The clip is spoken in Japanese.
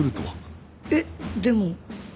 えっ？でも